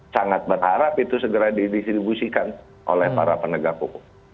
sangat berharap itu segera didistribusikan oleh para penegak hukum